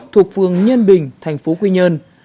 thuộc phường nhiên bình thành phố quy nhơn